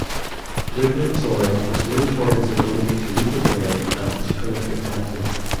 Liberatore was noted for his ability to read the play and his prolific tackling.